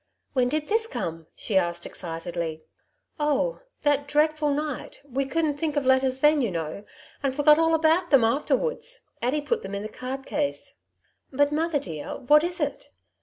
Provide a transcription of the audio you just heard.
" When did this come ?^^ she asked excitedly. " Oh ! that dreadful night. We couldn't think of letters then, you know ; and forgot all about them afterwards. Addy put them in the card case." ^^ But, mother dear, what is it